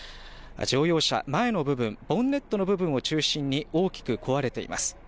乗用車、前の部分、ボンネットの部分を中心に大きく壊れています。